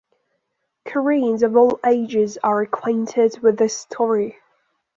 Koreans of all ages are acquainted with this story.